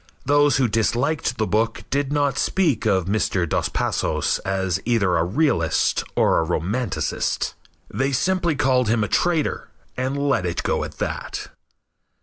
Those who disliked the book did not speak of Mr. Dos Passos as either a realist or a romanticist. They simply called him a traitor and let it go at that.